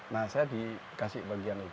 nah saya dikasih bagian itu